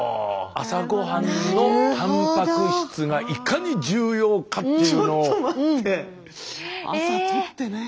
朝ごはんのたんぱく質がいかに重要かっていうのを。